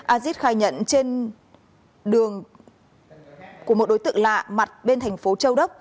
acid khai nhận trên đường của một đối tượng lạ mặt bên thành phố châu đốc